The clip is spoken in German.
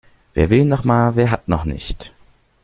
Wer will noch mal, wer hat noch nicht?